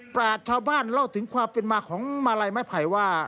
ราชชาวบ้านเล่าถึงความเป็นมาของมาลัยไม้ไผ่ว่า